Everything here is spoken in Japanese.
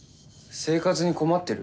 生活に困ってる？